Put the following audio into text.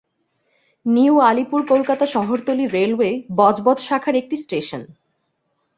New Alipore Kolkata শহরতলি railway Budge Budge শাখার একটি স্টেশন।